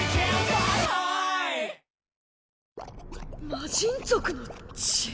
魔神族の血？